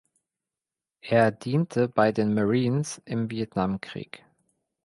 Er diente bei den Marines im Vietnamkrieg.